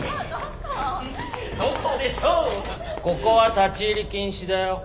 ここは立ち入り禁止だよ。